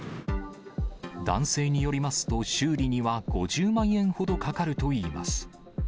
男性によりますと、修理には５０万円ほどかかるといいます。